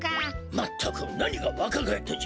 まったくなにがわかがえったじゃ。